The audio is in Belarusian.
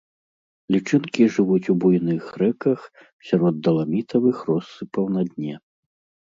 Лічынкі жывуць у буйных рэках, сярод даламітавых россыпаў на дне.